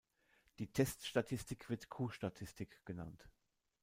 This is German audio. Die Teststatistik wird "Q-Statistik" genannt.